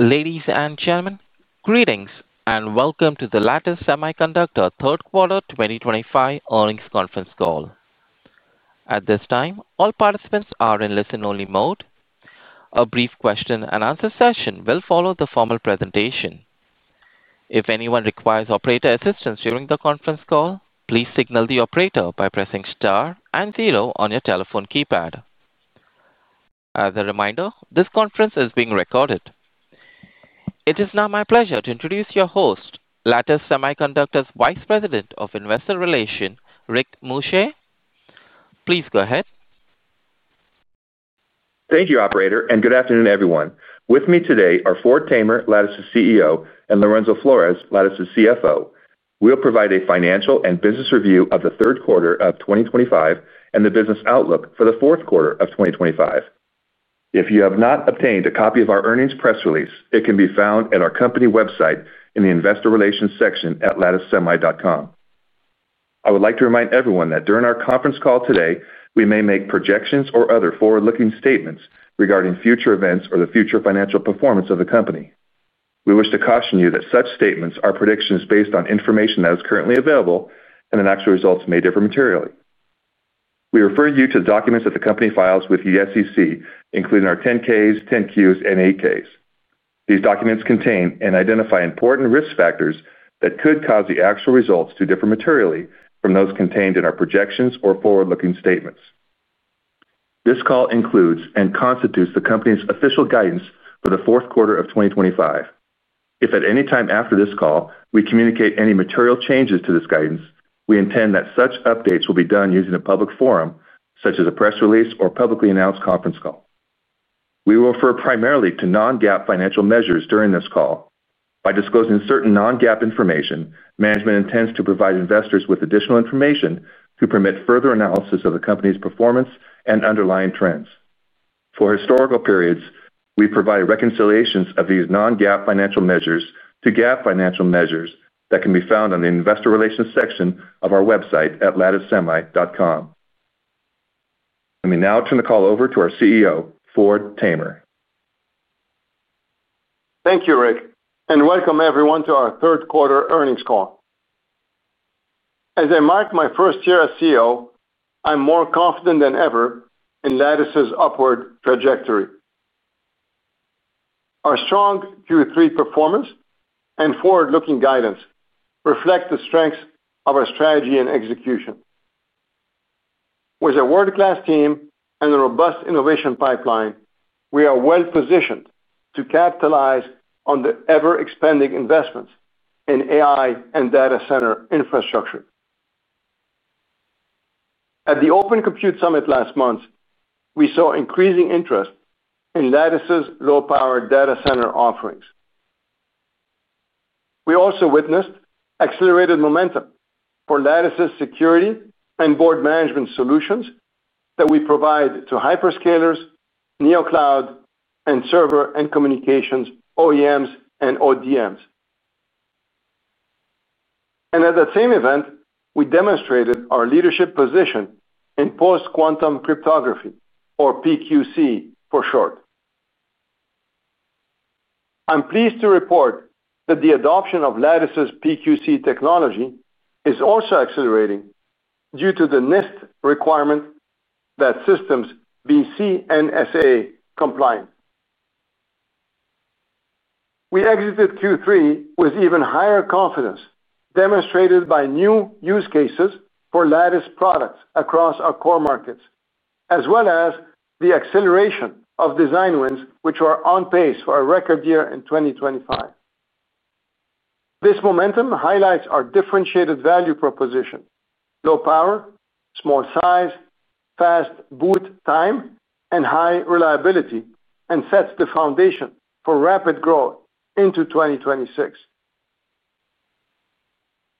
Ladies and gentlemen, greetings and welcome to the Lattice Semiconductor third quarter 2025 earnings conference call. At this time, all participants are in listen-only mode. A brief question-and-answer session will follow the formal presentation. If anyone requires operator assistance during the conference call, please signal the operator by pressing star and zero on your telephone keypad. As a reminder, this conference is being recorded. It is now my pleasure to introduce your host, Lattice Semiconductor's Vice President of Investor Relations, Rick Muscha. Please go ahead. Thank you, Operator, and good afternoon, everyone. With me today are Ford Tamer, Lattice's CEO, and Lorenzo Flores, Lattice's CFO. We'll provide a financial and business review of the third quarter of 2025 and the business outlook for the fourth quarter of 2025. If you have not obtained a copy of our earnings press release, it can be found at our company website in the Investor Relations section at latticesemi.com. I would like to remind everyone that during our conference call today, we may make projections or other forward-looking statements regarding future events or the future financial performance of the company. We wish to caution you that such statements are predictions based on information that is currently available and that actual results may differ materially. We refer you to the documents that the company files with the U.S. SEC, including our 10-Ks, 10-Qs, and 8-Ks. These documents contain and identify important risk factors that could cause the actual results to differ materially from those contained in our projections or forward-looking statements. This call includes and constitutes the company's official guidance for the fourth quarter of 2025. If at any time after this call we communicate any material changes to this guidance, we intend that such updates will be done using a public forum, such as a press release or publicly announced conference call. We will refer primarily to non-GAAP financial measures during this call. By disclosing certain non-GAAP information, management intends to provide investors with additional information to permit further analysis of the company's performance and underlying trends. For historical periods, we provide reconciliations of these non-GAAP financial measures to GAAP financial measures that can be found on the Investor Relations section of our website at latticesemi.com. Let me now turn the call over to our CEO, Ford Tamer. Thank you, Rick, and welcome everyone to our third quarter earnings call. As I mark my first year as CEO, I'm more confident than ever in Lattice's upward trajectory. Our strong Q3 performance and forward-looking guidance reflect the strengths of our strategy and execution. With a world-class team and a robust innovation pipeline, we are well-positioned to capitalize on the ever-expanding investments in AI and data center infrastructure. At the Open Compute Summit last month, we saw increasing interest in Lattice's low-power data center offerings. We also witnessed accelerated momentum for Lattice's security and board management solutions that we provide to hyperscalers, neo-Cloud, and server and communications OEMs and ODMs. At that same event, we demonstrated our leadership position. In Post-Quantum Cryptography, or PQC for short. I'm pleased to report that the adoption of Lattice's PQC technology is also accelerating due to the NIST requirement that systems be CNSA compliant. We exited Q3 with even higher confidence, demonstrated by new use cases for Lattice products across our core markets, as well as the acceleration of design wins, which are on pace for a record year in 2025. This momentum highlights our differentiated value proposition: low power, small size, fast boot time, and high reliability, and sets the foundation for rapid growth into 2026.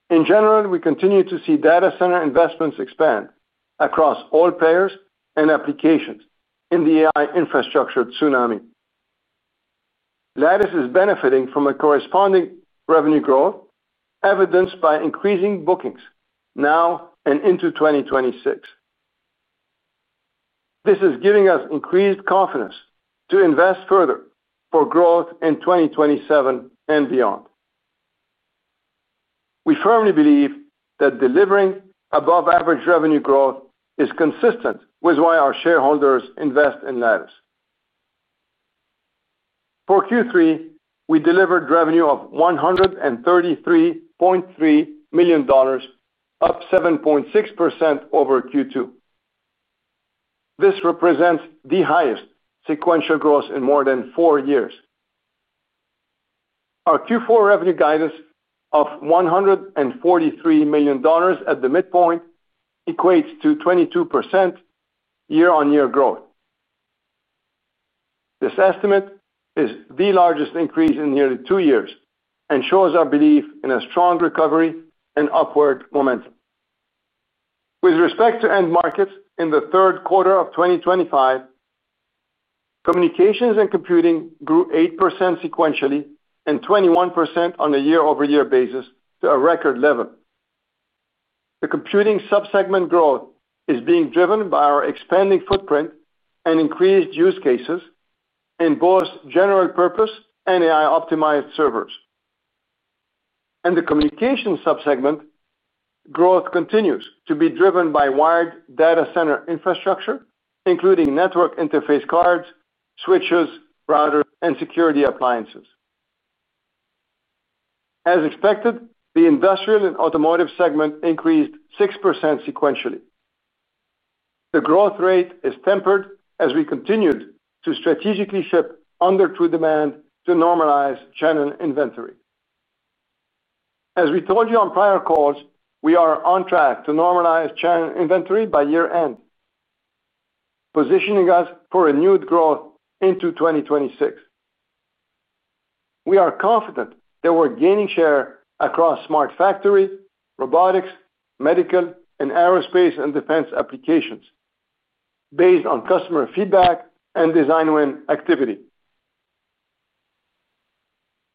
In general, we continue to see data center investments expand across all payers and applications in the AI infrastructure tsunami. Lattice is benefiting from a corresponding revenue growth, evidenced by increasing bookings now and into 2026. This is giving us increased confidence to invest further for growth in 2027 and beyond. We firmly believe that delivering above-average revenue growth is consistent with why our shareholders invest in Lattice. For Q3, we delivered revenue of $133.3 million. Up 7.6% over Q2. This represents the highest sequential growth in more than four years. Our Q4 revenue guidance of $143 million at the midpoint equates to 22% year-on-year growth. This estimate is the largest increase in nearly two years and shows our belief in a strong recovery and upward momentum. With respect to end markets in the third quarter of 2025, communications and computing grew 8% sequentially and 21% on a year-over-year basis to a record level. The computing subsegment growth is being driven by our expanding footprint and increased use cases in both general-purpose and AI-optimized servers. The communications subsegment growth continues to be driven by wired data center infrastructure, including network interface cards, switches, routers, and security appliances. As expected, the industrial and automotive segment increased 6% sequentially. The growth rate is tempered as we continued to strategically ship under true demand to normalize channel inventory. As we told you on prior calls, we are on track to normalize channel inventory by year-end, positioning us for renewed growth into 2026. We are confident that we're gaining share across smart factory, robotics, medical, and aerospace and defense applications, based on customer feedback and design win activity.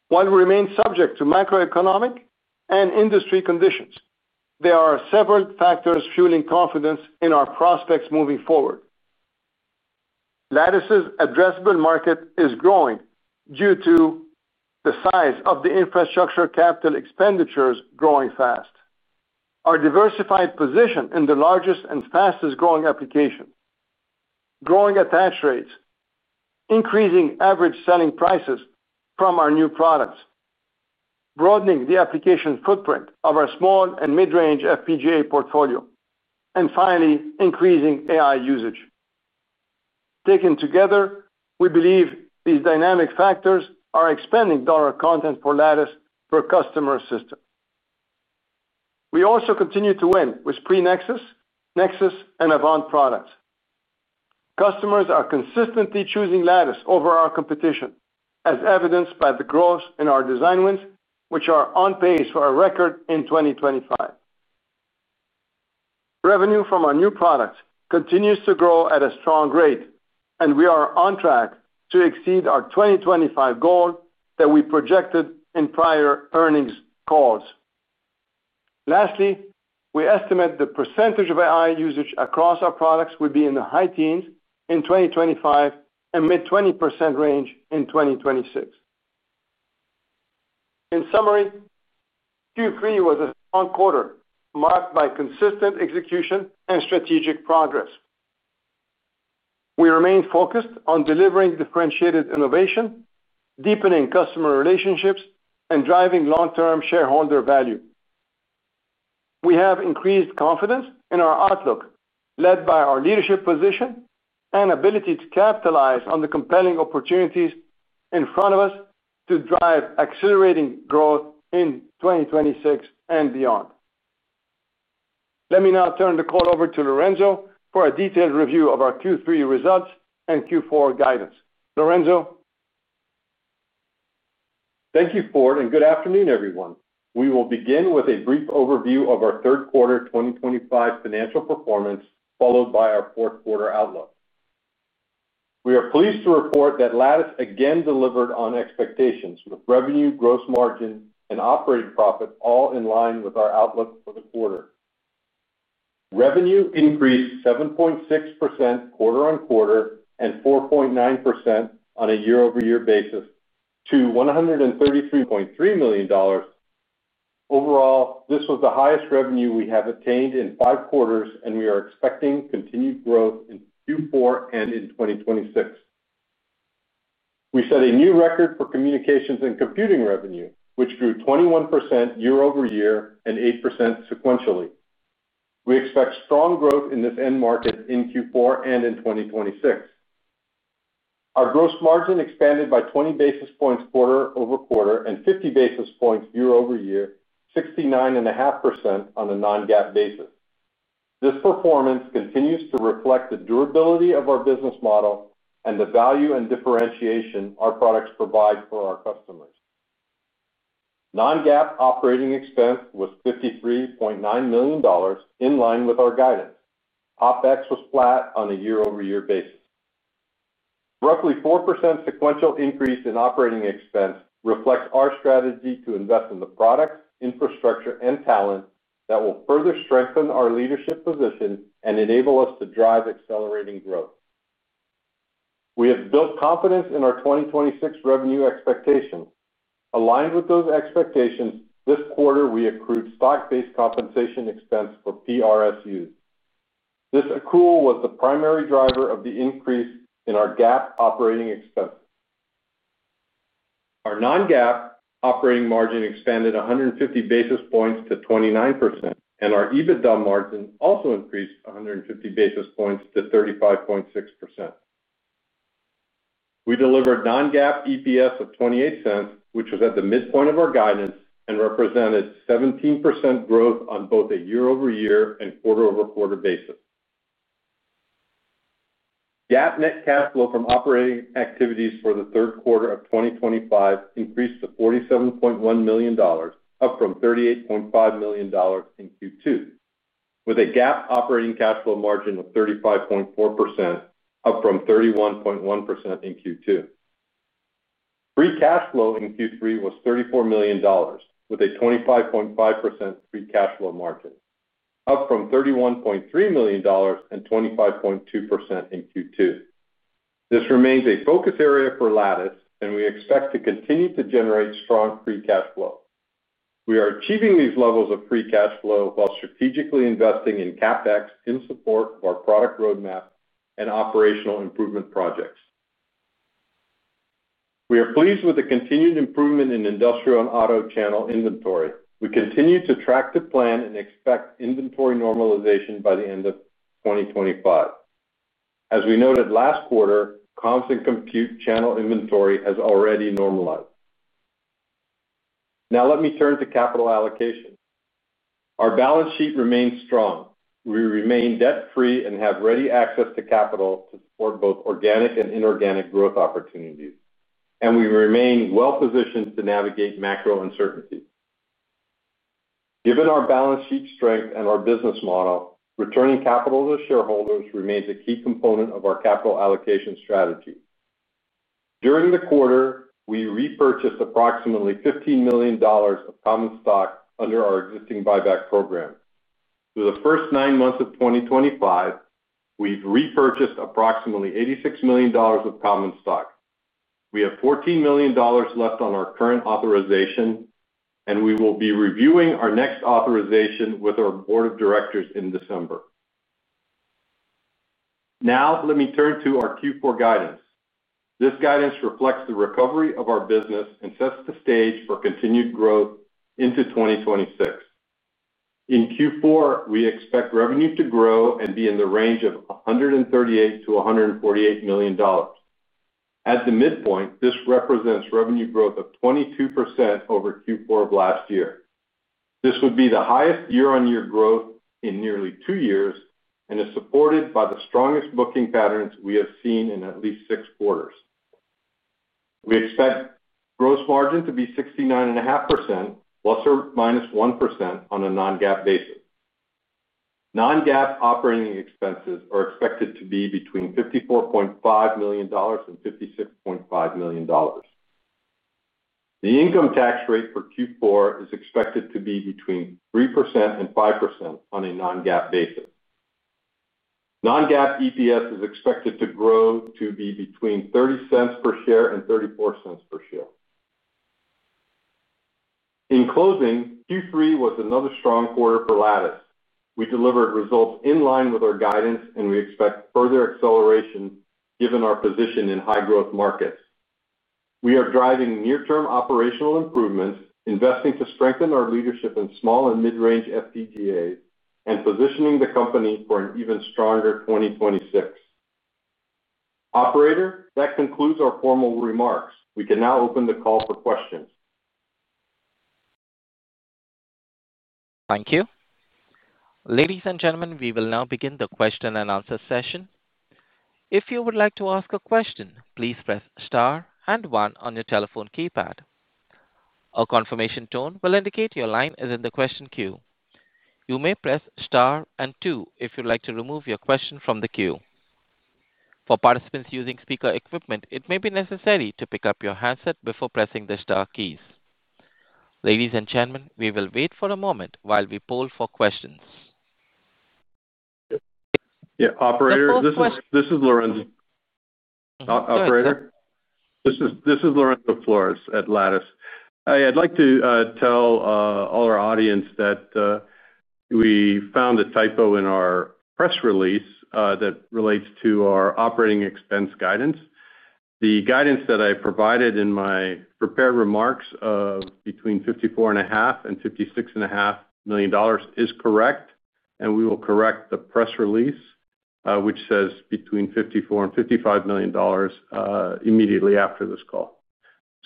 While we remain subject to macroeconomic and industry conditions, there are several factors fueling confidence in our prospects moving forward. Lattice's addressable market is growing due to the size of the infrastructure capital expenditures growing fast. Our diversified position in the largest and fastest-growing application, growing attach rates, increasing average selling prices from our new products, broadening the application footprint of our small and mid-range FPGA portfolio, and finally, increasing AI usage. Taken together, we believe these dynamic factors are expanding dollar content for Lattice per customer system. We also continue to win with pre-Nexus, Nexus, and Avant products. Customers are consistently choosing Lattice over our competition, as evidenced by the growth in our design wins, which are on pace for a record in 2025. Revenue from our new products continues to grow at a strong rate, and we are on track to exceed our 2025 goal that we projected in prior earnings calls. Lastly, we estimate the percentage of AI usage across our products will be in the high teens in 2025 and mid-20% range in 2026. In summary, Q3 was a strong quarter marked by consistent execution and strategic progress. We remain focused on delivering differentiated innovation, deepening customer relationships, and driving long-term shareholder value. We have increased confidence in our outlook, led by our leadership position and ability to capitalize on the compelling opportunities in front of us to drive accelerating growth in 2026 and beyond. Let me now turn the call over to Lorenzo for a detailed review of our Q3 results and Q4 guidance. Lorenzo. Thank you, Ford, and good afternoon, everyone. We will begin with a brief overview of our third quarter 2025 financial performance, followed by our fourth quarter outlook. We are pleased to report that Lattice again delivered on expectations, with revenue, gross margin, and operating profit all in line with our outlook for the quarter. Revenue increased 7.6% quarter-on-quarter and 4.9% on a year-over-year basis to $133.3 million. Overall, this was the highest revenue we have attained in five quarters, and we are expecting continued growth in Q4 and in 2026. We set a new record for communications and computing revenue, which grew 21% year-over-year and 8% sequentially. We expect strong growth in this end market in Q4 and in 2026. Our gross margin expanded by 20 basis points quarter-over-quarter and 50 basis points year-over-year, 69.5% on a non-GAAP basis. This performance continues to reflect the durability of our business model and the value and differentiation our products provide for our customers. Non-GAAP operating expense was $53.9 million, in line with our guidance. OpEx was flat on a year-over-year basis. Roughly 4% sequential increase in operating expense reflects our strategy to invest in the products, infrastructure, and talent that will further strengthen our leadership position and enable us to drive accelerating growth. We have built confidence in our 2026 revenue expectations. Aligned with those expectations, this quarter we accrued stock-based compensation expense for PRSU. This accrual was the primary driver of the increase in our GAAP operating expenses. Our non-GAAP operating margin expanded 150 basis points to 29%, and our EBITDA margin also increased 150 basis points to 35.6%. We delivered non-GAAP EPS of $0.28, which was at the midpoint of our guidance and represented 17% growth on both a year-over-year and quarter-over-quarter basis. GAAP net cash flow from operating activities for the third Quarter of 2025 increased to $47.1 million, up from $38.5 million in Q2, with a GAAP operating cash flow margin of 35.4%, up from 31.1% in Q2. Free cash flow in Q3 was $34 million, with a 25.5% free cash flow margin, up from $31.3 million and 25.2% in Q2. This remains a focus area for Lattice, and we expect to continue to generate strong free cash flow. We are achieving these levels of free cash flow while strategically investing in CapEx in support of our product roadmap and operational improvement projects. We are pleased with the continued improvement in industrial and auto channel inventory. We continue to track the plan and expect inventory normalization by the end of 2025. As we noted last quarter, comms and compute channel inventory has already normalized. Now, let me turn to capital allocation. Our balance sheet remains strong. We remain debt-free and have ready access to capital to support both organic and inorganic growth opportunities, and we remain well-positioned to navigate macro uncertainties. Given our balance sheet strength and our business model, returning capital to shareholders remains a key component of our capital allocation strategy. During the quarter, we repurchased approximately $15 million of common stock under our existing buyback program. Through the first nine months of 2025, we've repurchased approximately $86 million of common stock. We have $14 million left on our current authorization, and we will be reviewing our next authorization with our board of directors in December. Now, let me turn to our Q4 guidance. This guidance reflects the recovery of our business and sets the stage for continued growth into 2026. In Q4, we expect revenue to grow and be in the range of $138 million-$148 million. At the midpoint, this represents revenue growth of 22% over Q4 of last year. This would be the highest year-on-year growth in nearly two years and is supported by the strongest booking patterns we have seen in at least six quarters. We expect gross margin to be 69.5%, ±1% on a non-GAAP basis. Non-GAAP operating expenses are expected to be between $54.5 million and $56.5 million. The income tax rate for Q4 is expected to be between 3% and 5% on a non-GAAP basis. Non-GAAP EPS is expected to grow to be between $0.30 per share and $0.34 per share. In closing, Q3 was another strong quarter for Lattice. We delivered results in line with our guidance, and we expect further acceleration given our position in high-growth markets. We are driving near-term operational improvements, investing to strengthen our leadership in small and mid-range FPGAs, and positioning the company for an even stronger 2026. Operator, that concludes our formal remarks. We can now open the call for questions. Thank you. Ladies and gentlemen, we will now begin the question-and-answer session. If you would like to ask a question, please press star and one on your telephone keypad. A confirmation tone will indicate your line is in the question queue. You may press star and two if you'd like to remove your question from the queue. For participants using speaker equipment, it may be necessary to pick up your handset before pressing the star keys. Ladies and gentlemen, we will wait for a moment while we poll for questions. Yeah. Operator, this is Lorenzo. Operator. This is Lorenzo Flores at Lattice. I'd like to tell all our audience that we found a typo in our press release that relates to our operating expense guidance. The guidance that I provided in my prepared remarks of between $54.5 million and $56.5 million is correct, and we will correct the press release, which says between $54 million and $55 million, immediately after this call.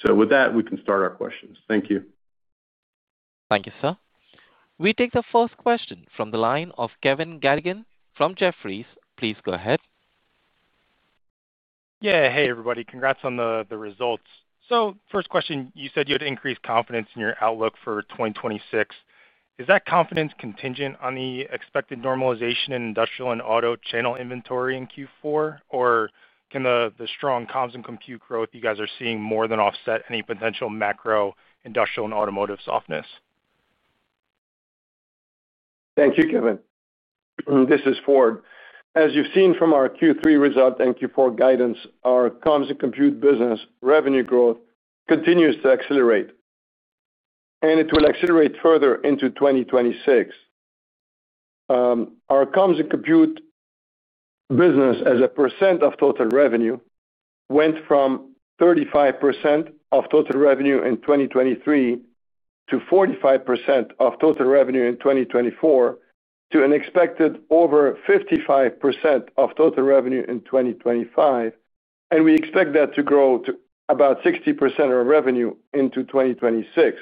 Thank you. Thank you, sir. We take the first question from the line of Kevin Garrigan from Jefferies. Please go ahead. Yeah. Hey, everybody. Congrats on the results. First question, you said you had increased confidence in your outlook for 2026. Is that confidence contingent on the expected normalization in industrial and auto channel inventory in Q4, or can the strong comms and compute growth you guys are seeing more than offset any potential macro industrial and automotive softness? Thank you, Kevin. This is Ford. As you've seen from our Q3 result and Q4 guidance, our comms and compute business revenue growth continues to accelerate. It will accelerate further into 2026. Our comms and compute business, as a percent of total revenue, went from 35% of total revenue in 2023 to 45% of total revenue in 2024 to an expected over 55% of total revenue in 2025, and we expect that to grow to about 60% of revenue into 2026.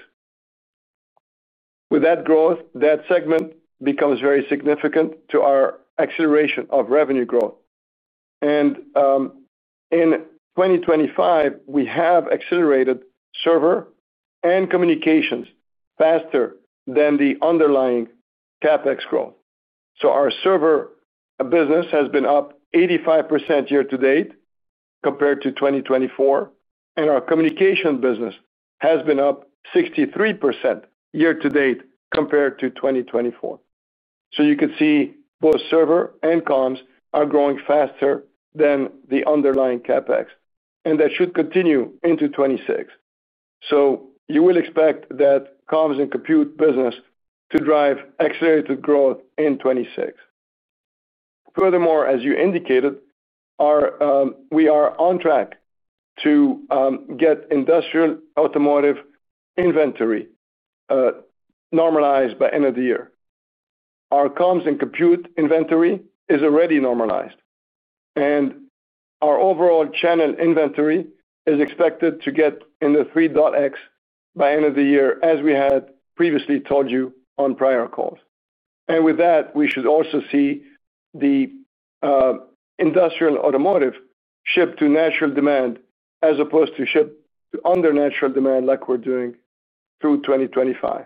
With that growth, that segment becomes very significant to our acceleration of revenue growth. In 2025, we have accelerated server and communications faster than the underlying CapEx growth. Our server business has been up 85% year to date compared to 2024, and our communication business has been up 63% year to date compared to 2024. You could see both server and comms are growing faster than the underlying CapEx, and that should continue into 2026. You will expect that comms and compute business to drive accelerated growth in 2026. Furthermore, as you indicated, we are on track to get industrial automotive inventory normalized by the end of the year. Our comms and compute inventory is already normalized, and our overall channel inventory is expected to get in the [3x] by the end of the year, as we had previously told you on prior calls. With that, we should also see the industrial automotive shipped to natural demand as opposed to shipped to under natural demand like we're doing through 2025.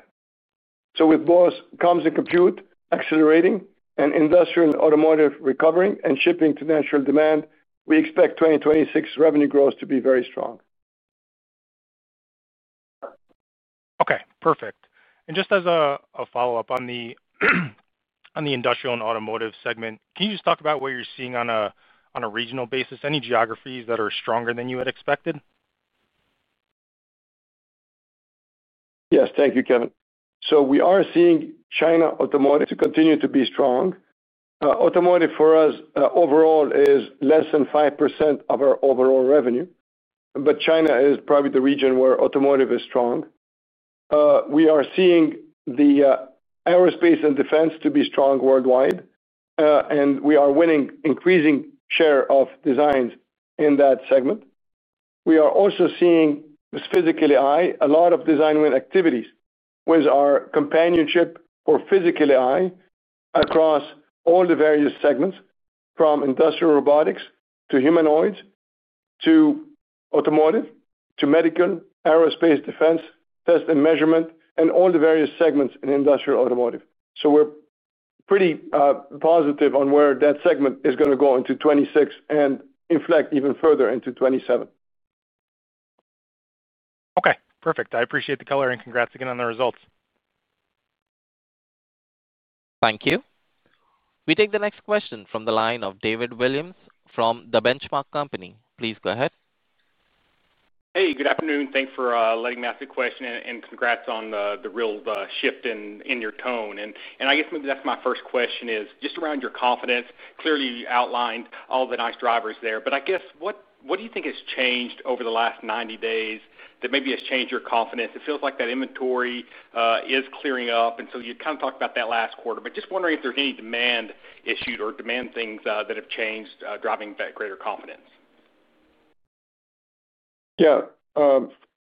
With both comms and compute accelerating and industrial automotive recovering and shipping to natural demand, we expect 2026 revenue growth to be very strong. Okay. Perfect. And just as a follow-up on the industrial and automotive segment, can you just talk about what you're seeing on a regional basis, any geographies that are stronger than you had expected? Yes. Thank you, Kevin. We are seeing China automotive continue to be strong. Automotive for us overall is less than 5% of our overall revenue, but China is probably the region where automotive is strong. We are seeing the aerospace and defense to be strong worldwide, and we are winning increasing share of designs in that segment. We are also seeing with physical AI a lot of design-win activities with our companionship for physical AI across all the various segments, from industrial robotics to humanoids to automotive to medical, aerospace, defense, test and measurement, and all the various segments in industrial automotive. We are pretty positive on where that segment is going to go into 2026 and inflect even further into 2027. Okay. Perfect. I appreciate the color and congrats again on the results. Thank you. We take the next question from the line of David Williams from The Benchmark Company. Please go ahead. Hey, good afternoon. Thanks for letting me ask the question and congrats on the real shift in your tone. I guess maybe that's my first question is just around your confidence. Clearly, you outlined all the nice drivers there, but I guess what do you think has changed over the last 90 days that maybe has changed your confidence? It feels like that inventory is clearing up, and you kind of talked about that last quarter, but just wondering if there's any demand issue or demand things that have changed driving greater confidence. Yeah.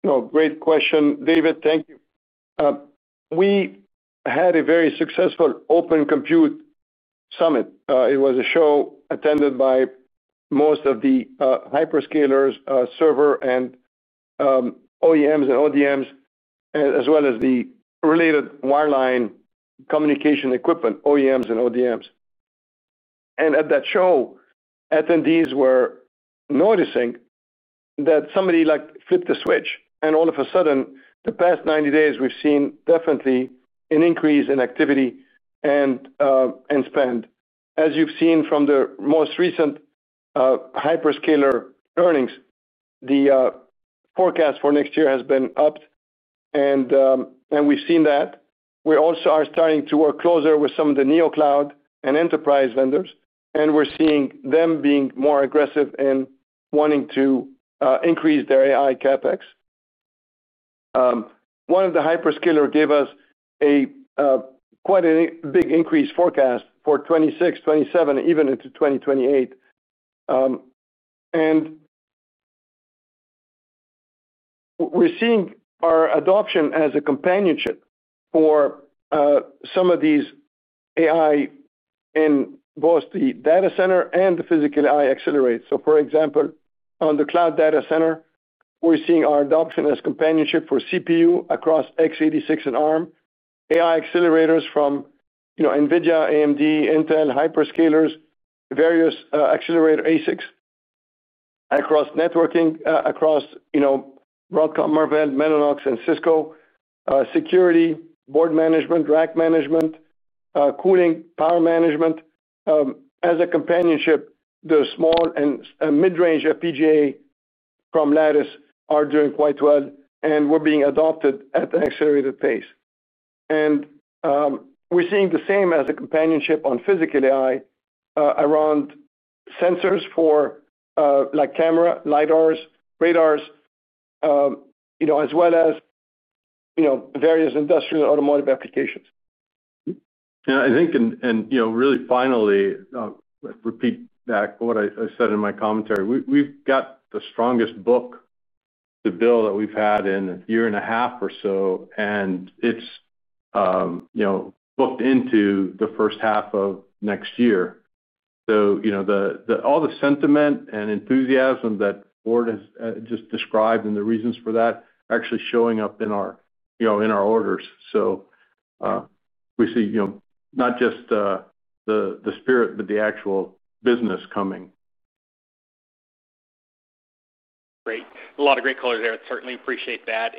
No, great question, David. Thank you. We had a very successful Open Compute Summit. It was a show attended by most of the hyperscalers, server and OEMs and ODMs, as well as the related wireline communication equipment OEMs and ODMs. At that show, attendees were noticing that somebody flipped the switch, and all of a sudden, the past 90 days, we've seen definitely an increase in activity and spend. As you've seen from the most recent hyperscaler earnings, the forecast for next year has been upped, and we've seen that. We also are starting to work closer with some of the neo-Cloud and enterprise vendors, and we're seeing them being more aggressive in wanting to increase their AI CapEx. One of the hyperscalers gave us quite a big increase forecast for 2026, 2027, even into 2028. We're seeing our adoption as a companionship for some of these AI in both the data center and the physical AI accelerators. For example, on the cloud data center, we're seeing our adoption as companionship for CPU across x86 and ARM, AI accelerators from NVIDIA, AMD, Intel, hyperscalers, various accelerator ASICs. Across networking, across Broadcom, Marvell, Mellanox, and Cisco, security, board management, rack management, cooling, power management. As a companionship, the small and mid-range FPGA from Lattice are doing quite well, and we're being adopted at an accelerated pace. We're seeing the same as a companionship on physical AI around sensors for, like, camera, LiDARs, radars, as well as various industrial automotive applications. Yeah. I think, and really finally, repeat back what I said in my commentary. We've got the strongest book to bill that we've had in a year and a half or so, and it's booked into the first half of next year. All the sentiment and enthusiasm that Ford has just described and the reasons for that are actually showing up in our orders. We see not just the spirit, but the actual business coming. Great. A lot of great colors there. Certainly appreciate that.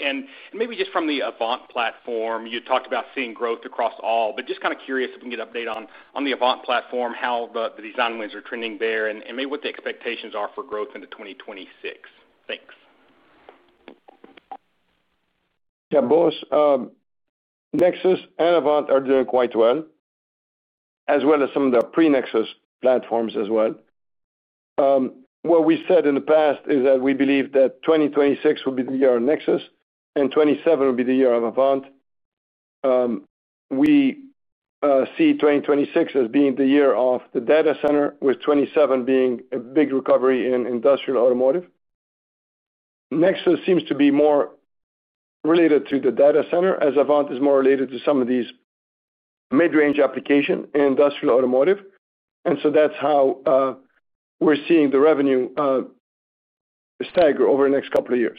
Maybe just from the Avant platform, you talked about seeing growth across all, but just kind of curious if we can get an update on the Avant platform, how the design wins are trending there, and maybe what the expectations are for growth into 2026. Thanks. Yeah. Both Nexus and Avant are doing quite well, as well as some of the pre-Nexus platforms as well. What we said in the past is that we believe that 2026 will be the year of Nexus and 2027 will be the year of Avant. We see 2026 as being the year of the data center, with 2027 being a big recovery in industrial automotive. Nexus seems to be more related to the data center, as Avant is more related to some of these mid-range application in industrial automotive. That is how we're seeing the revenue stagger over the next couple of years.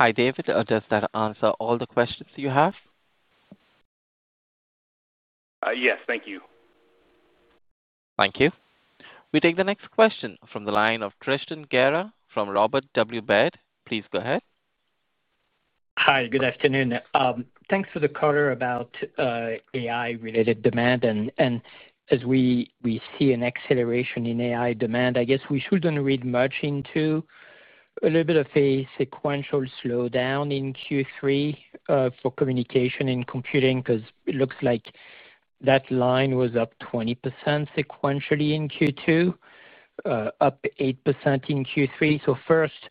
Hi, David. Does that answer all the questions you have? Yes. Thank you. Thank you. We take the next question from the line of Tristan Gerra from Robert W. Baird. Please go ahead. Hi. Good afternoon. Thanks for the color about AI-related demand. As we see an acceleration in AI demand, I guess we should not read much into a little bit of a sequential slowdown in Q3 for communication and computing because it looks like that line was up 20% sequentially in Q2, up 8% in Q3. First,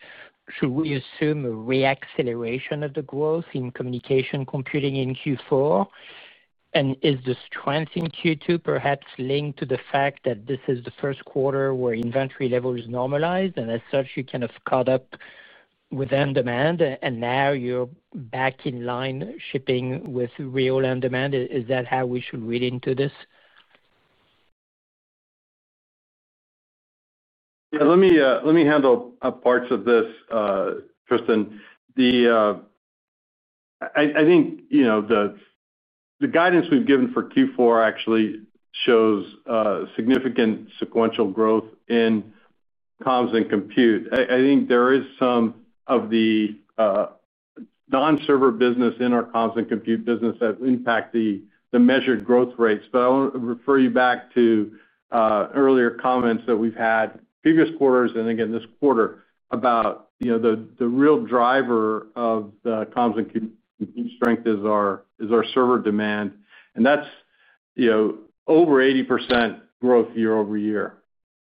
should we assume a re-acceleration of the growth in communication computing in Q4? Is the strength in Q2 perhaps linked to the fact that this is the first quarter where inventory level is normalized, and as such, you kind of caught up with end demand, and now you are back in line shipping with real end demand? Is that how we should read into this? Yeah. Let me handle parts of this, Tristan. I think the guidance we've given for Q4 actually shows significant sequential growth in comms and compute. I think there is some of the non-server business in our comms and compute business that impact the measured growth rates, but I want to refer you back to earlier comments that we've had previous quarters and again this quarter about the real driver of the comms and compute strength is our server demand. And that's over 80% growth year-over-year.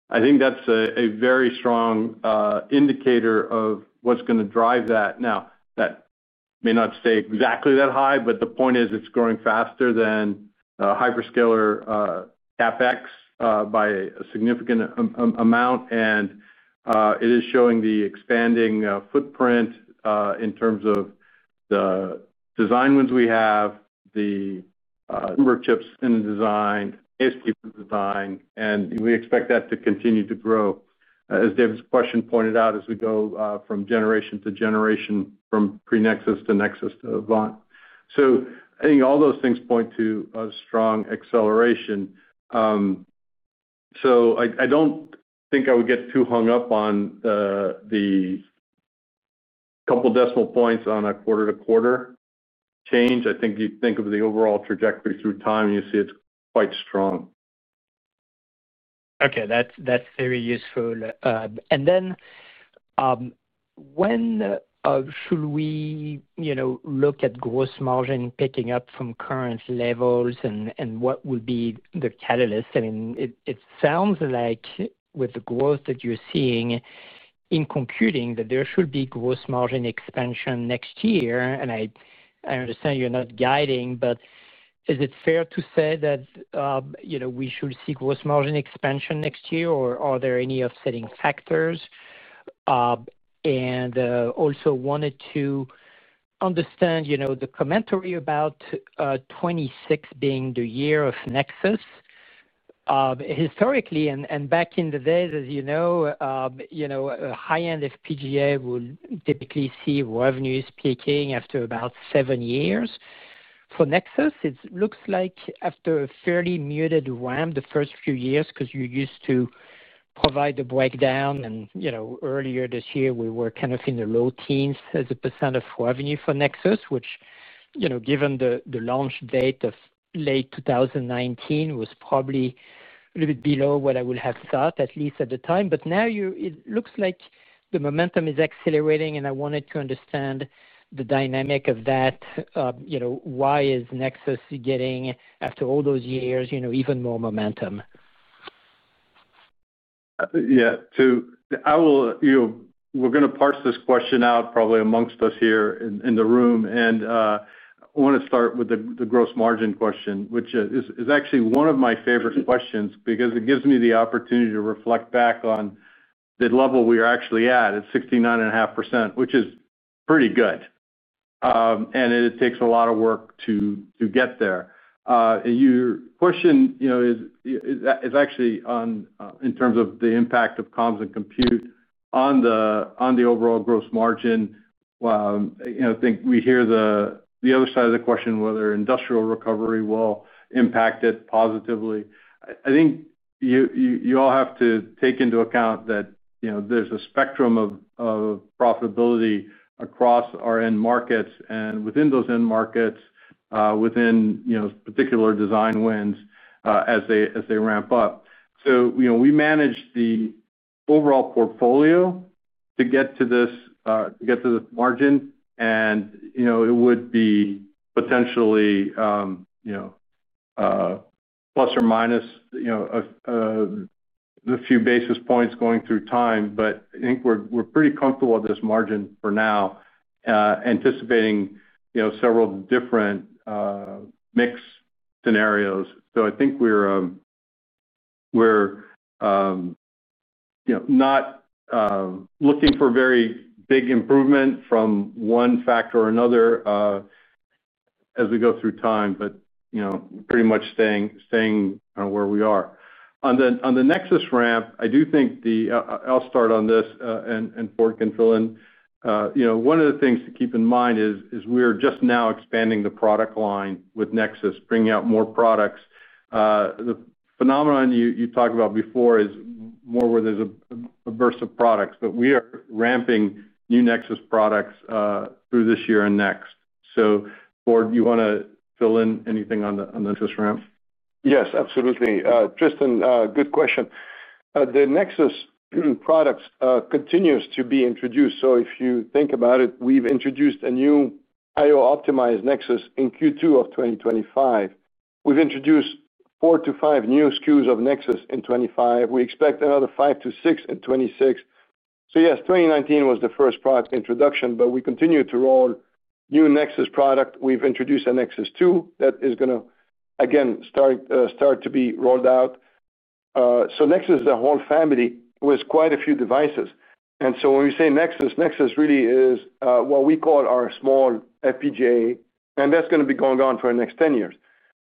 I think that's a very strong indicator of what's going to drive that. Now, that may not stay exactly that high, but the point is it's growing faster than hyperscaler CapEx by a significant amount, and it is showing the expanding footprint in terms of the design wins we have, the number of chips in the design, ASP design, and we expect that to continue to grow, as David's question pointed out, as we go from generation to generation, from pre-Nexus to Nexus to Avant. I think all those things point to a strong acceleration. I don't think I would get too hung up on the couple of decimal points on a quarter-to-quarter change. I think you think of the overall trajectory through time, you see it's quite strong. Okay. That's very useful. When should we look at gross margin picking up from current levels and what will be the catalyst? I mean, it sounds like with the growth that you're seeing in computing, there should be gross margin expansion next year. I understand you're not guiding, but is it fair to say that we should see gross margin expansion next year, or are there any offsetting factors? I also wanted to understand the commentary about 2026 being the year of Nexus. Historically, and back in the days, as you know, high-end FPGA will typically see revenues peaking after about seven years. For Nexus, it looks like after a fairly muted ramp the first few years because you used to provide the breakdown. Earlier this year, we were kind of in the low teens as a percent of revenue for Nexus, which, given the launch date of late 2019, was probably a little bit below what I would have thought, at least at the time. Now it looks like the momentum is accelerating, and I wanted to understand the dynamic of that. Why is Nexus getting, after all those years, even more momentum? Yeah. We're going to parse this question out probably amongst us here in the room. I want to start with the gross margin question, which is actually one of my favorite questions because it gives me the opportunity to reflect back on the level we are actually at, at 69.5%, which is pretty good. It takes a lot of work to get there. Your question is actually in terms of the impact of comms and compute on the overall gross margin. I think we hear the other side of the question, whether industrial recovery will impact it positively. I think you all have to take into account that there's a spectrum of profitability across our end markets and within those end markets, within particular design wins as they ramp up. We manage the overall portfolio to get to this, to get to this margin, and it would be potentially plus or minus a few basis points going through time, but I think we're pretty comfortable with this margin for now, anticipating several different mixed scenarios. I think we're not looking for very big improvement from one factor or another as we go through time, but pretty much staying where we are. On the Nexus ramp, I do think the—I’ll start on this, and Ford can fill in. One of the things to keep in mind is we're just now expanding the product line with Nexus, bringing out more products. The phenomenon you talked about before is more where there's a burst of products, but we are ramping new Nexus products through this year and next. Ford, do you want to fill in anything on the Nexus ramp? Yes, absolutely. Tristan, good question. The Nexus products continue to be introduced. If you think about it, we've introduced a new IO-optimized Nexus in Q2 of 2025. We've introduced four to five new SKUs of Nexus in 2025. We expect another 5-6 in 2026. Yes, 2019 was the first product introduction, but we continue to roll new Nexus products. We've introduced a Nexus 2 that is going to, again, start to be rolled out. Nexus, the whole family, with quite a few devices. When we say Nexus, Nexus really is what we call our small FPGA, and that's going to be going on for the next 10 years.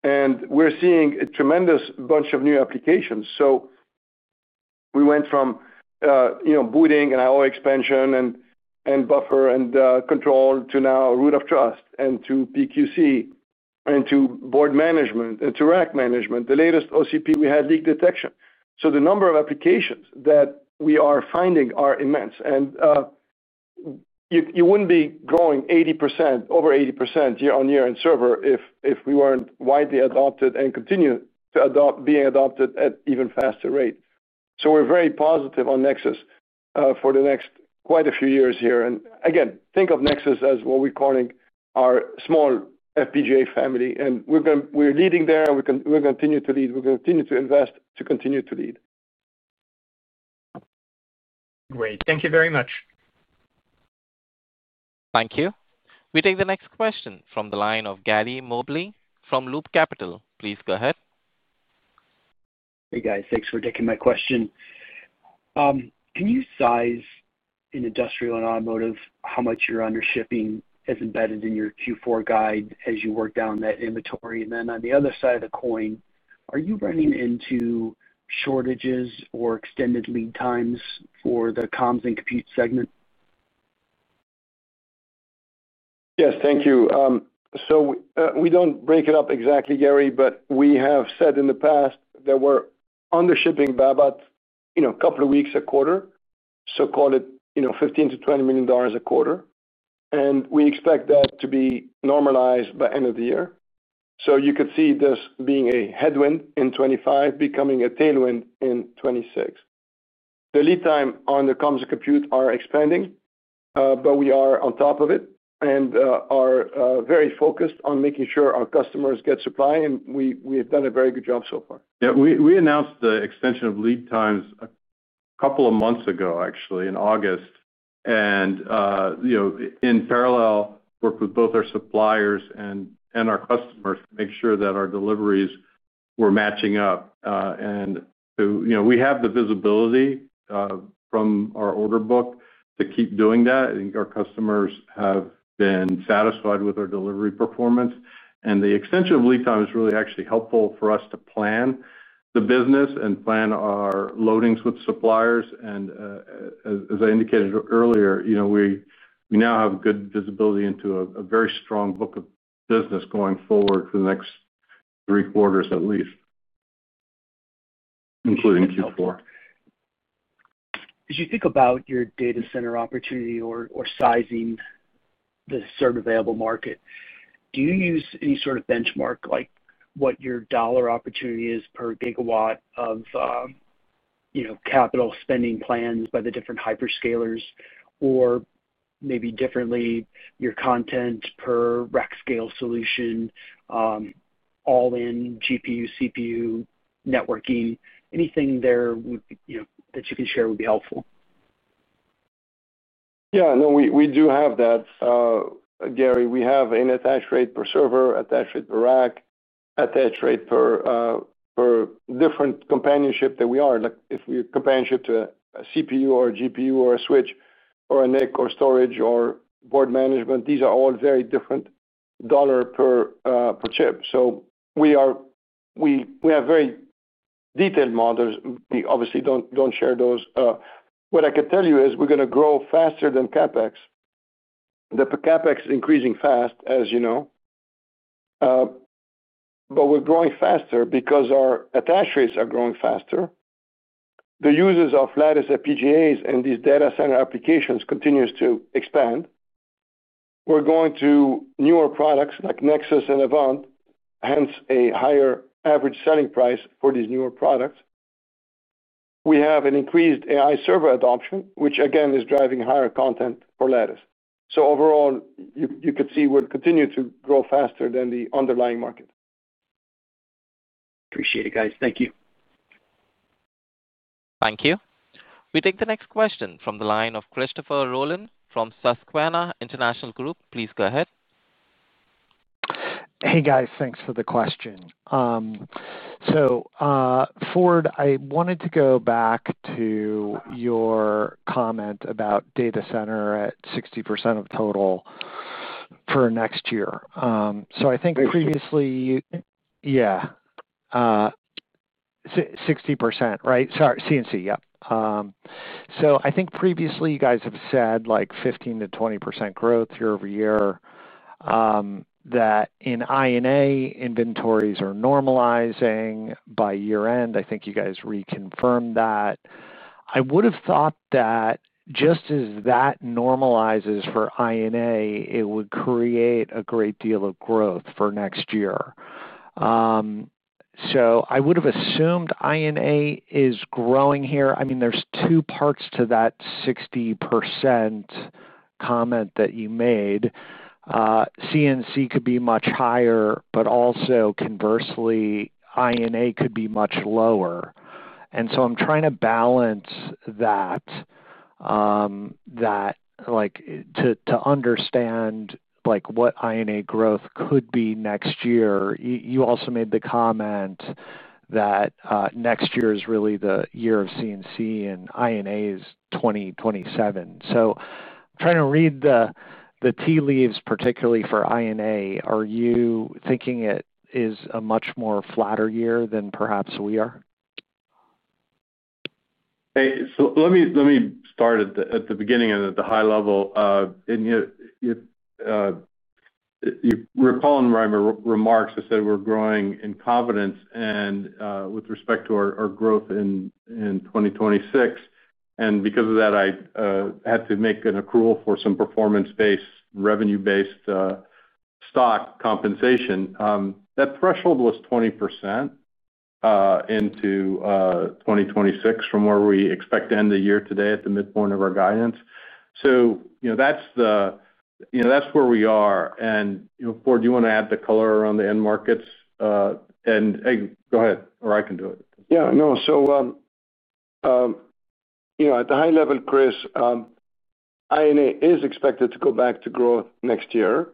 We're seeing a tremendous bunch of new applications. We went from booting and IO expansion and buffer and control to now root of trust and to PQC and to board management and to rack management. The latest OCP, we had leak detection. The number of applications that we are finding are immense. You wouldn't be growing over 80% year-on-year in server if we weren't widely adopted and continue to be adopted at an even faster rate. We're very positive on Nexus for the next quite a few years here. Again, think of Nexus as what we're calling our small FPGA family. We're leading there, and we're going to continue to lead. We're going to continue to invest, to continue to lead. Great. Thank you very much. Thank you. We take the next question from the line of Gary Mobley from Loop Capital. Please go ahead. Hey, guys. Thanks for taking my question. Can you size in industrial and automotive how much you're under shipping as embedded in your Q4 guide as you work down that inventory? And then on the other side of the coin, are you running into shortages or extended lead times for the comms and compute segment? Yes. Thank you. We do not break it up exactly, Gary, but we have said in the past that we are under shipping about a couple of weeks a quarter, so call it $15 million-$20 million a quarter. We expect that to be normalized by the end of the year. You could see this being a headwind in 2025, becoming a tailwind in 2026. The lead time on the comms and compute is expanding, but we are on top of it and are very focused on making sure our customers get supply. We have done a very good job so far. Yeah. We announced the extension of lead times a couple of months ago, actually, in August. In parallel, we worked with both our suppliers and our customers to make sure that our deliveries were matching up. We have the visibility from our order book to keep doing that. I think our customers have been satisfied with our delivery performance. The extension of lead time is really actually helpful for us to plan the business and plan our loadings with suppliers. As I indicated earlier, we now have good visibility into a very strong book of business going forward for the next three quarters at least, including Q4. As you think about your data center opportunity or sizing, the serve-available market, do you use any sort of benchmark, like what your dollar opportunity is per gigawatt of capital spending plans by the different hyperscalers, or maybe differently, your content per rack scale solution? All-in GPU, CPU, networking? Anything there that you can share would be helpful. Yeah. No, we do have that. Gary, we have an attach rate per server, attach rate per rack, attach rate per different companionship that we are. If we companionship to a CPU or a GPU or a switch or a NIC or storage or board management, these are all very different. Dollar per chip. We have very detailed models. We obviously do not share those. What I could tell you is we are going to grow faster than CapEx. The CapEx is increasing fast, as you know. We are growing faster because our attach rates are growing faster. The users of Lattice FPGAs and these data center applications continue to expand. We are going to newer products like Nexus and Avant, hence a higher average selling price for these newer products. We have an increased AI server adoption, which again is driving higher content for Lattice. Overall, you could see we will continue to grow faster than the underlying market. Appreciate it, guys. Thank you. Thank you. We take the next question from the line of Christopher Rolland from Susquehanna International Group. Please go ahead. Hey, guys. Thanks for the question. Ford, I wanted to go back to your comment about data center at 60% of total for next year. I think previously. 60%. Yeah. 60%, right? Sorry. CNC, yep. I think previously you guys have said 15%-20% growth year-over-year. That in I&A inventories are normalizing by year-end. I think you guys reconfirmed that. I would have thought that just as that normalizes for I&A, it would create a great deal of growth for next year. I would have assumed I&A is growing here. I mean, there's two parts to that 60% comment that you made. CNC could be much higher, but also conversely, I&A could be much lower. I'm trying to balance that to understand what I&A growth could be next year. You also made the comment that next year is really the year of CNC, and I&A is 2027. I'm trying to read the tea leaves, particularly for I&A. Are you thinking it is a much more flatter year than perhaps we are? Let me start at the beginning at the high level. You are calling Ryan remarks. I said we are growing in confidence with respect to our growth in 2026. Because of that, I had to make an accrual for some performance-based, revenue-based stock compensation. That threshold was 20% into 2026 from where we expect to end the year today at the midpoint of our guidance. That is where we are. Ford, do you want to add the color around the end markets? Go ahead, or I can do it. Yeah. No. At the high level, Chris, I&A is expected to go back to growth next year.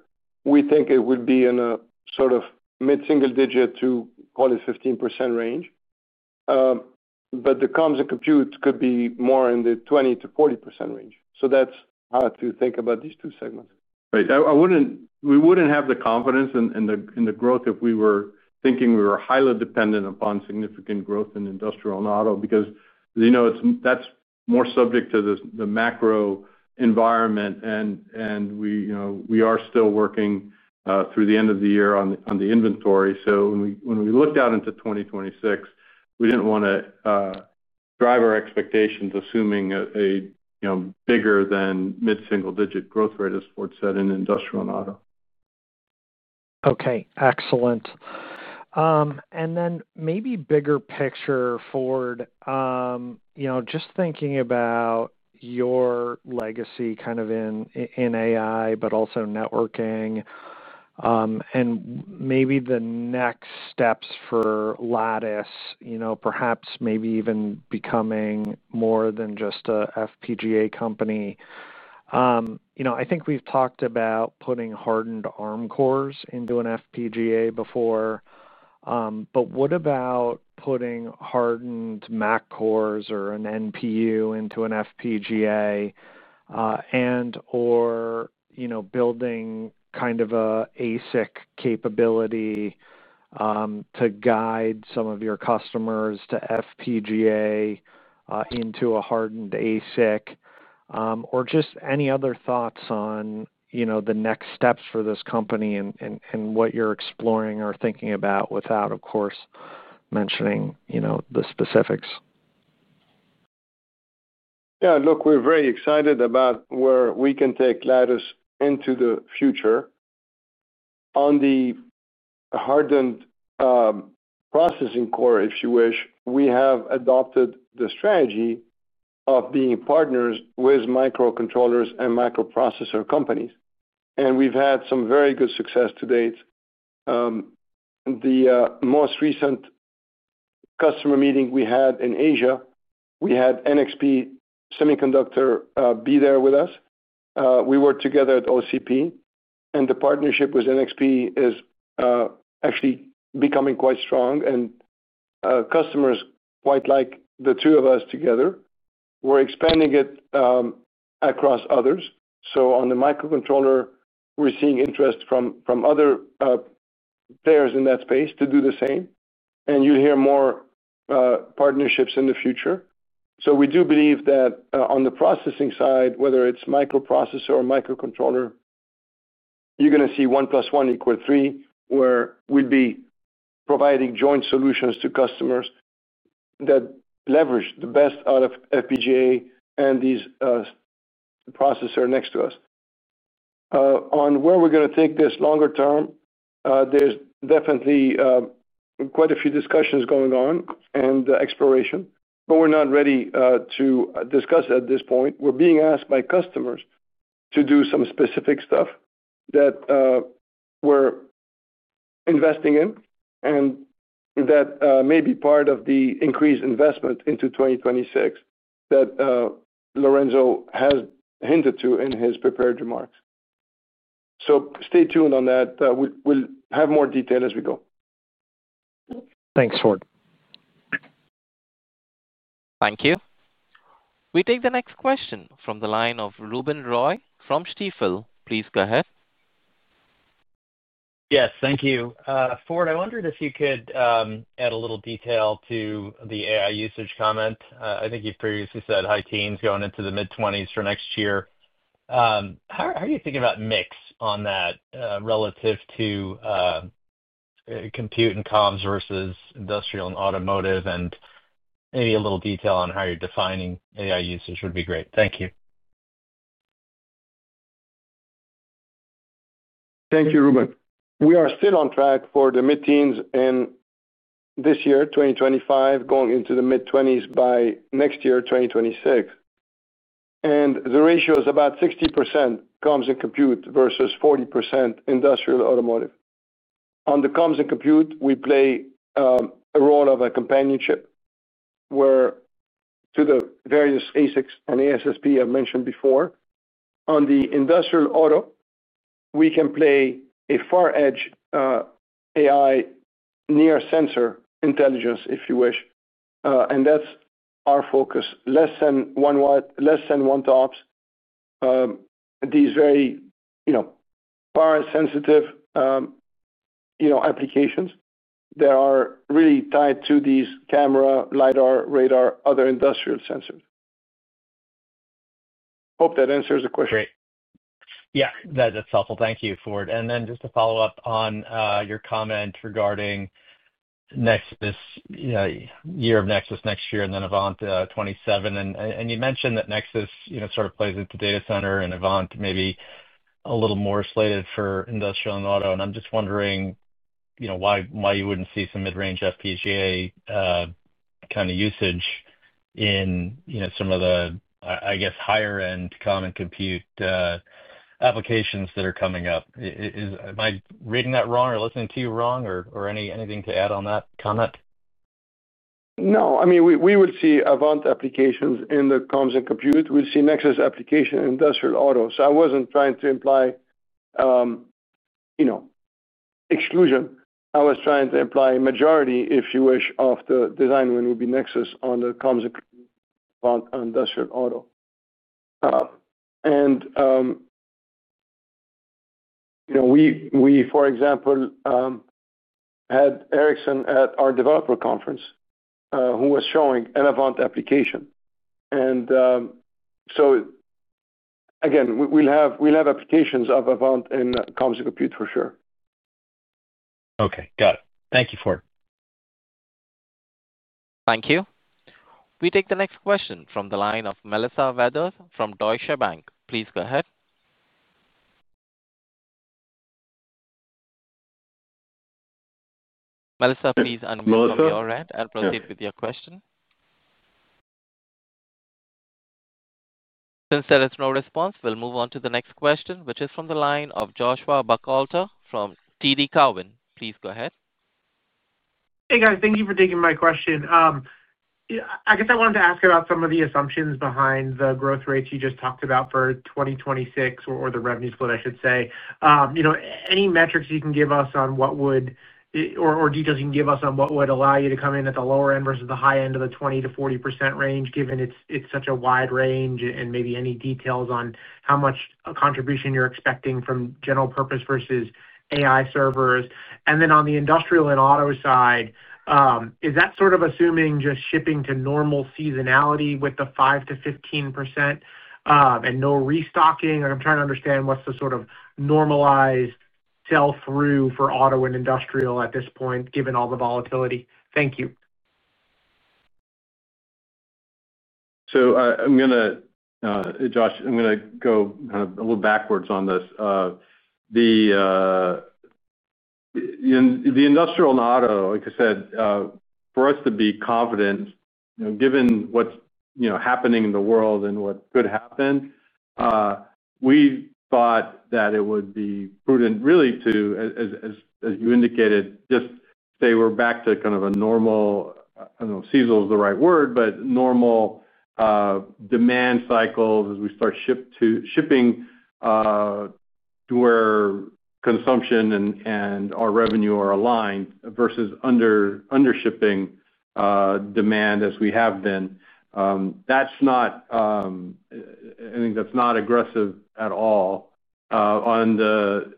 We think it would be in a sort of mid-single digit to call it 15% range. The comms and compute could be more in the 20%-40% range. That is how to think about these two segments. Right. We would not have the confidence in the growth if we were thinking we were highly dependent upon significant growth in industrial and auto because that is more subject to the macro environment. We are still working through the end of the year on the inventory. When we looked out into 2026, we did not want to drive our expectations assuming a bigger than mid-single digit growth rate, as Ford said, in industrial and auto. Okay. Excellent. Maybe bigger picture, Ford. Just thinking about your legacy kind of in AI, but also networking. Maybe the next steps for Lattice, perhaps maybe even becoming more than just an FPGA company. I think we've talked about putting hardened ARM cores into an FPGA before. What about putting hardened MAC cores or an NPU into an FPGA, and/or building kind of an ASIC capability to guide some of your customers to FPGA into a hardened ASIC? Or just any other thoughts on the next steps for this company and what you're exploring or thinking about without, of course, mentioning the specifics? Yeah. Look, we're very excited about where we can take Lattice into the future. On the hardened processing core, if you wish, we have adopted the strategy of being partners with microcontroller and microprocessor companies. We've had some very good success to date. The most recent customer meeting we had in Asia, we had NXP Semiconductors be there with us. We worked together at OCP. The partnership with NXP is actually becoming quite strong. Customers quite like the two of us together. We're expanding it across others. On the microcontroller, we're seeing interest from other players in that space to do the same. You'll hear more partnerships in the future. We do believe that on the processing side, whether it's microprocessor or microcontroller, you're going to see one plus one equal three, where we'd be providing joint solutions to customers that leverage the best out of FPGA and these processors next to us. On where we're going to take this longer term, there's definitely quite a few discussions going on and exploration, but we're not ready to discuss at this point. We're being asked by customers to do some specific stuff that we're investing in and that may be part of the increased investment into 2026 that Lorenzo has hinted to in his prepared remarks. Stay tuned on that. We'll have more detail as we go. Thanks, Ford. Thank you. We take the next question from the line of Ruben Roy from Stifel. Please go ahead. Yes. Thank you. Ford, I wondered if you could add a little detail to the AI usage comment. I think you've previously said high teens going into the mid-20s for next year. How are you thinking about mix on that relative to compute and comms versus industrial and automotive? Maybe a little detail on how you're defining AI usage would be great. Thank you. Thank you, Reuben. We are still on track for the mid-teens in this year, 2025, going into the mid-20s by next year, 2026. The ratio is about 60% comms and compute versus 40% industrial automotive. On the comms and compute, we play a role of a companionship to the various ASICs and ASSP I have mentioned before. On the industrial auto, we can play a far-edge AI near-sensor intelligence, if you wish. That is our focus: less than one watt, less than one TOPS. These very power-sensitive applications that are really tied to these camera, LiDAR, radar, other industrial sensors. Hope that answers the question. Great. Yeah. That's helpful. Thank you, Ford. Just to follow up on your comment regarding year of Nexus next year and then Avant 27. You mentioned that Nexus sort of plays into data center and Avant maybe a little more slated for industrial and auto. I'm just wondering why you wouldn't see some mid-range FPGA kind of usage in some of the, I guess, higher-end comm and compute applications that are coming up. Am I reading that wrong or listening to you wrong or anything to add on that comment? No. I mean, we would see Avant applications in the comms and compute. We'd see Nexus application in industrial auto. I was not trying to imply exclusion. I was trying to imply majority, if you wish, of the design win would be Nexus on the comms and industrial auto. We, for example, had Ericsson at our developer conference, who was showing an Avant application. Again, we will have applications of Avant in comms and compute for sure. Okay. Got it. Thank you, Ford. Thank you. We take the next question from the line of Melissa Weathers from Deutsche Bank. Please go ahead. Melissa, please unmute your hand and proceed with your question. Since there is no response, we'll move on to the next question, which is from the line of Joshua Buchalter from TD Cowen. Please go ahead. Hey, guys. Thank you for taking my question. I guess I wanted to ask about some of the assumptions behind the growth rates you just talked about for 2026 or the revenue split, I should say. Any metrics you can give us on what would, or details you can give us on what would allow you to come in at the lower end versus the high end of the 20-40% range, given it's such a wide range, and maybe any details on how much a contribution you're expecting from general purpose versus AI servers? And then on the industrial and auto side, is that sort of assuming just shipping to normal seasonality with the 5%-15%? And no restocking? I'm trying to understand what's the sort of normalized sell-through for auto and industrial at this point, given all the volatility. Thank you. I'm going to, Josh, I'm going to go kind of a little backwards on this. The industrial and auto, like I said, for us to be confident, given what's happening in the world and what could happen, we thought that it would be prudent really to, as you indicated, just say we're back to kind of a normal—I don't know if seasonal is the right word—but normal demand cycles as we start shipping to where consumption and our revenue are aligned versus undershipping demand as we have been. I think that's not aggressive at all. On the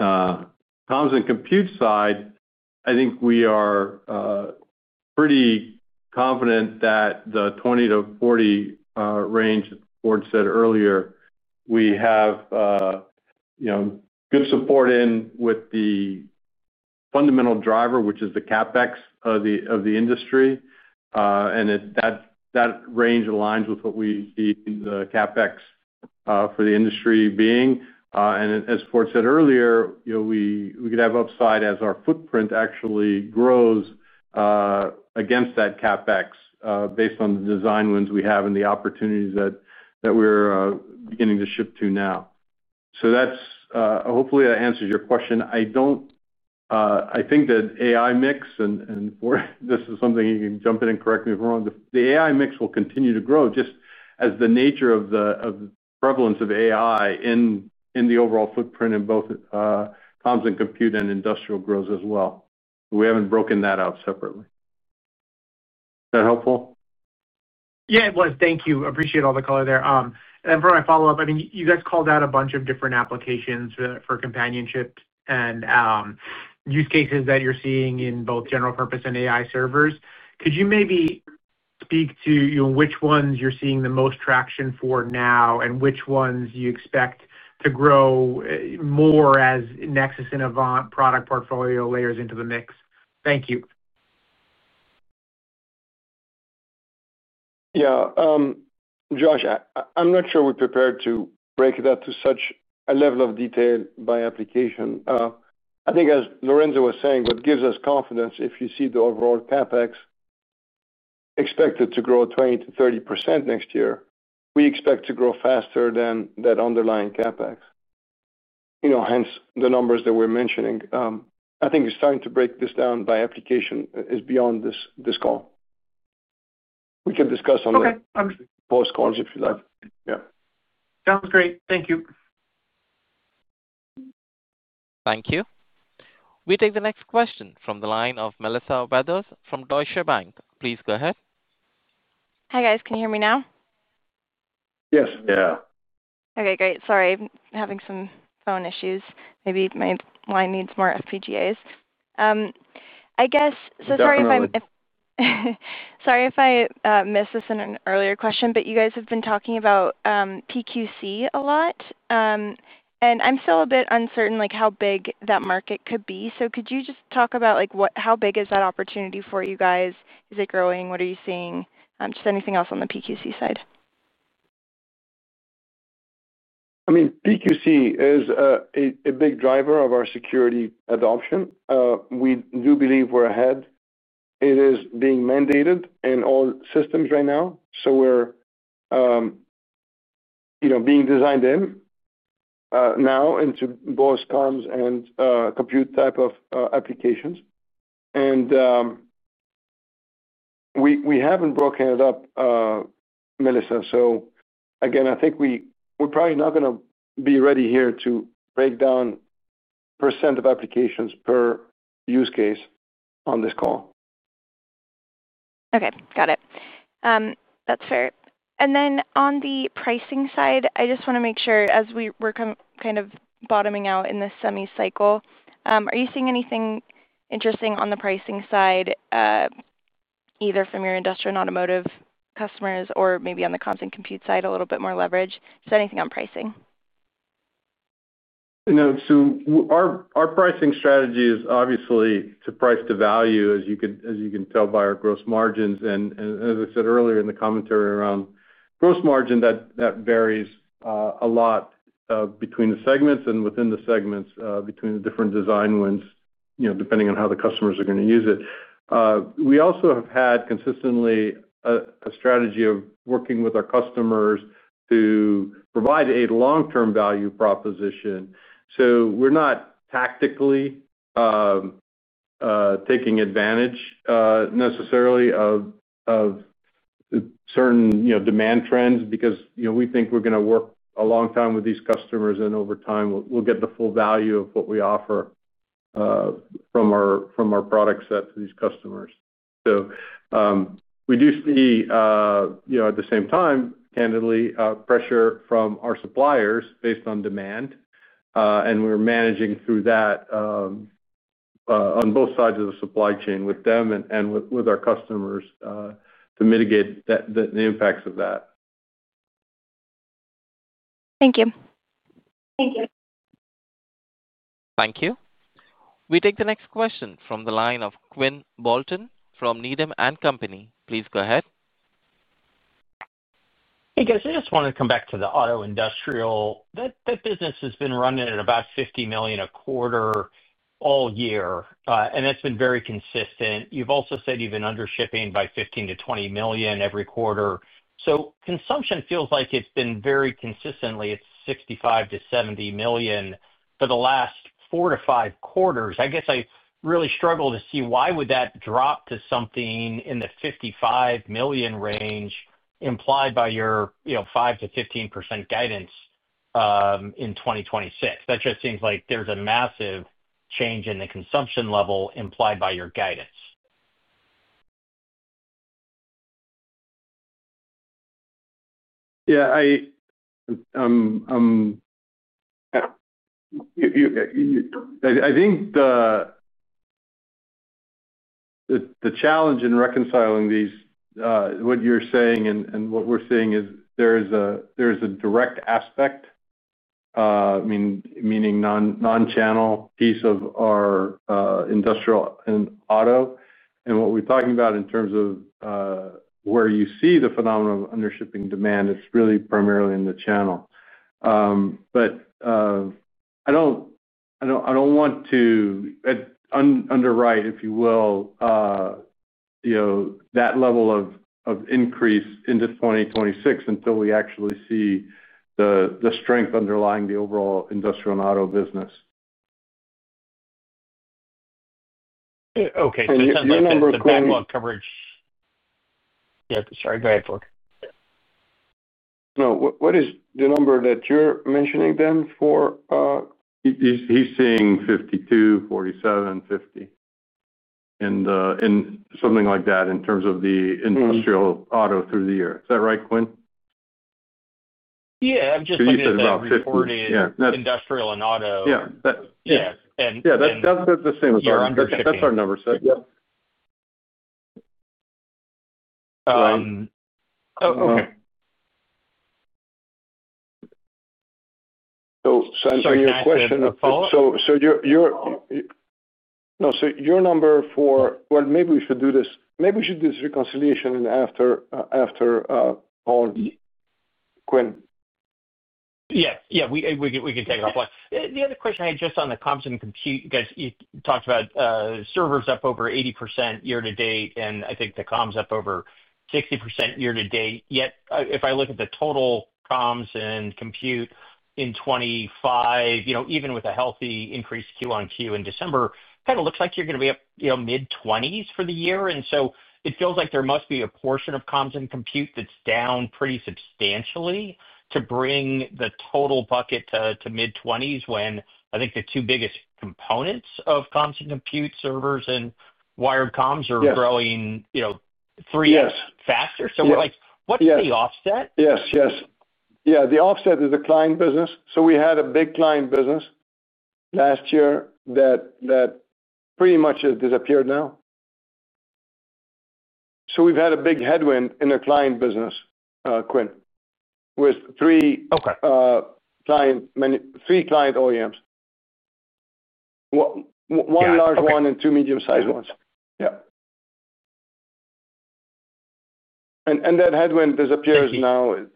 comms and compute side, I think we are pretty confident that the 20%-40% range Ford said earlier, we have good support in with the fundamental driver, which is the CapEx of the industry. That range aligns with what we see the CapEx for the industry being. As Ford said earlier, we could have upside as our footprint actually grows against that CapEx based on the design wins we have and the opportunities that we're beginning to ship to now. Hopefully, that answers your question. I think that AI mix—and this is something you can jump in and correct me if I'm wrong—the AI mix will continue to grow just as the nature of the prevalence of AI in the overall footprint in both comms and compute and industrial grows as well. We haven't broken that out separately. Is that helpful? Yeah, it was. Thank you. Appreciate all the color there. For my follow-up, I mean, you guys called out a bunch of different applications for companionship and use cases that you're seeing in both general purpose and AI servers. Could you maybe speak to which ones you're seeing the most traction for now and which ones you expect to grow more as Nexus and Avant product portfolio layers into the mix? Thank you. Yeah. Josh, I'm not sure we're prepared to break it up to such a level of detail by application. I think, as Lorenzo was saying, what gives us confidence, if you see the overall CapEx. Expected to grow 20%-30% next year, we expect to grow faster than that underlying CapEx. Hence the numbers that we're mentioning. I think it's time to break this down by application is beyond this call. We can discuss on. Okay. I'm. Post-calls, if you'd like. Yeah. Sounds great. Thank you. Thank you. We take the next question from the line of Melissa Weathers from Deutsche Bank. Please go ahead. Hi, guys. Can you hear me now? Yes. Yeah. Okay. Great. Sorry. I'm having some phone issues. Maybe my line needs more FPGAs. Sorry if I. No problem. Sorry if I missed this in an earlier question, but you guys have been talking about PQC a lot. I'm still a bit uncertain how big that market could be. Could you just talk about how big is that opportunity for you guys? Is it growing? What are you seeing? Just anything else on the PQC side? I mean, PQC is a big driver of our security adoption. We do believe we're ahead. It is being mandated in all systems right now. We're being designed in now into both comms and compute type of applications. We haven't broken it up, Melissa. Again, I think we're probably not going to be ready here to break down % of applications per use case on this call. Okay. Got it. That's fair. On the pricing side, I just want to make sure, as we're kind of bottoming out in this semi-cycle, are you seeing anything interesting on the pricing side? Either from your industrial and automotive customers or maybe on the comms and compute side, a little bit more leverage? Is there anything on pricing? No. Our pricing strategy is obviously to price to value, as you can tell by our gross margins. As I said earlier in the commentary around gross margin, that varies a lot between the segments and within the segments between the different design wins, depending on how the customers are going to use it. We also have had consistently a strategy of working with our customers to provide a long-term value proposition. We are not tactically taking advantage necessarily of certain demand trends because we think we are going to work a long time with these customers, and over time, we will get the full value of what we offer from our product set to these customers. We do see, at the same time, candidly, pressure from our suppliers based on demand. We are managing through that on both sides of the supply chain with them and with our customers to mitigate the impacts of that. Thank you. Thank you. We take the next question from the line of Quinn Bolton from Needham & Company. Please go ahead. Hey, guys. I just wanted to come back to the auto industrial. That business has been running at about $50 million a quarter all year, and that's been very consistent. You've also said you've been undershipping by $15 million-$20 million every quarter. So consumption feels like it's been very consistently at $65 million-$70 million for the last four to five quarters. I guess I really struggle to see why would that drop to something in the $55 million range implied by your 5%-15% guidance. In 2026. That just seems like there's a massive change in the consumption level implied by your guidance. Yeah. I think the challenge in reconciling what you're saying and what we're seeing is there is a direct aspect, meaning non-channel piece of our industrial and auto. What we're talking about in terms of where you see the phenomenon of undershipping demand, it's really primarily in the channel. I don't want to underwrite, if you will, that level of increase into 2026 until we actually see the strength underlying the overall industrial and auto business. Okay. So the number of Quinn. The number of Quinn. Yeah. Sorry. Go ahead, Ford. No. What is the number that you're mentioning then for? He's seeing 52, 47, 50. And something like that in terms of the industrial auto through the year. Is that right, Quinn? Yeah. I'm just like. He said about. 40 industrial and auto. Yeah. Yeah. Yeah. That's the same as our number. That's our number, sir. Yeah. Oh, okay. I'm sorry. Your question? Sorry. I apologize. No, so your number for, well, maybe we should do this, maybe we should do this reconciliation after. Call. Quinn. Yes. Yeah. We can take it offline. The other question I had just on the comms and compute, you talked about servers up over 80% year to date, and I think the comms up over 60% year to date. Yet, if I look at the total comms and compute in 2025, even with a healthy increased QoQ in December, it kind of looks like you're going to be up mid-20s for the year. It feels like there must be a portion of comms and compute that's down pretty substantially to bring the total bucket to mid-20s when I think the two biggest components of comms and compute, servers and wired comms, are growing. Yes. Three X faster. We're like, "What's the offset? Yes. Yes. Yeah. The offset is the client business. So we had a big client business last year that pretty much has disappeared now. So we've had a big headwind in the client business, Quinn, with three client OEMs, one large one and two medium-sized ones. Yeah. And that headwind disappears now.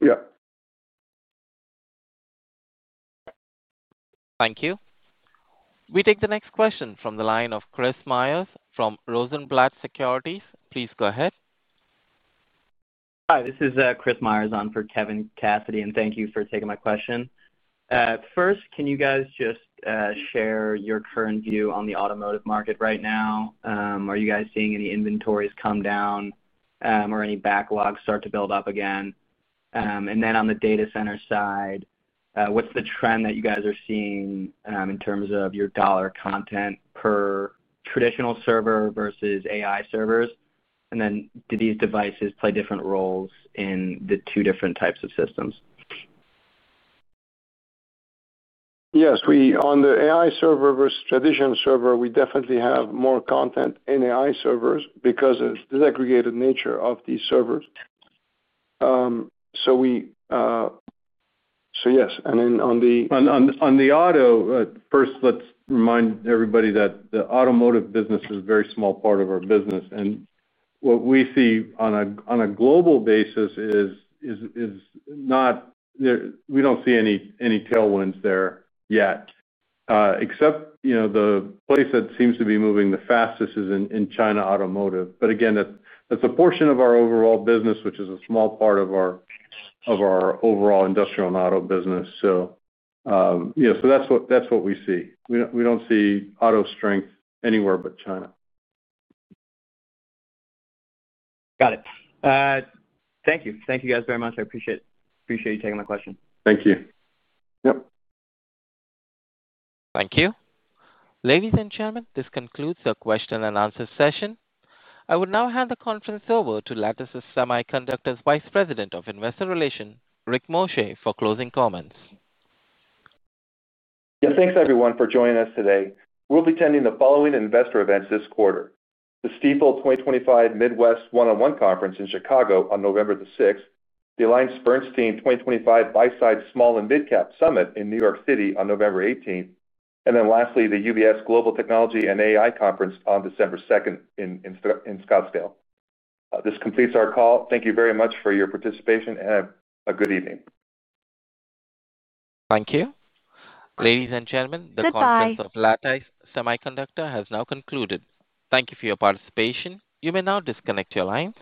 Yeah. Thank you. We take the next question from the line of Chris Myers from Rosenblatt Securities. Please go ahead. Hi. This is Chris Myers on for Kevin Cassidy, and thank you for taking my question. First, can you guys just share your current view on the automotive market right now? Are you guys seeing any inventories come down, or any backlog start to build up again? On the data center side, what's the trend that you guys are seeing in terms of your dollar content per traditional server versus AI servers? Do these devices play different roles in the two different types of systems? Yes. On the AI server versus traditional server, we definitely have more content in AI servers because of the segregated nature of these servers. Yes. And then on the. On the auto, first, let's remind everybody that the automotive business is a very small part of our business. What we see on a global basis is not, we don't see any tailwinds there yet. The place that seems to be moving the fastest is in China automotive. Again, that's a portion of our overall business, which is a small part of our overall industrial and auto business. That's what we see. We don't see auto strength anywhere but China. Got it. Thank you. Thank you guys very much. I appreciate you taking my question. Thank you. Yep. Thank you. Ladies and gentlemen, this concludes our question-and-answer session. I will now hand the conference over to Lattice Semiconductor's Vice President of Investor Relations, Rick Muscha, for closing comments. Yeah. Thanks, everyone, for joining us today. We'll be attending the following investor events this quarter: the Stifel 2025 Midwest One-on-One Conference in Chicago on November 6th, the AllianceBernstein 2025 Buy Side Small and Midcap Summit in New York City on November 18th, and then lastly, the UBS Global Technology and AI Conference on December 2nd in Scottsdale. This completes our call. Thank you very much for your participation, and have a good evening. Thank you. Ladies and gentlemen, the conference of Lattice Semiconductor has now concluded. Thank you for your participation. You may now disconnect your lines.